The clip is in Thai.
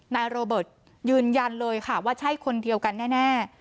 นายโรเบิร์ตยืนยันเลยค่ะว่าใช่คนเดียวกันแน่